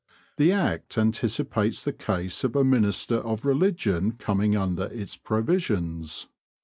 The Act anticipates the case of a minister of religion coming under its provisions.